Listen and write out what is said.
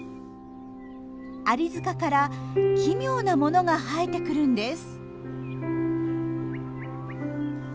アリ塚から奇妙なものが生えてくるんです。